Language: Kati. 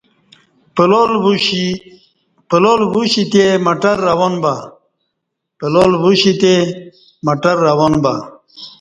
پلال ووشی تہ مٹر روان بہ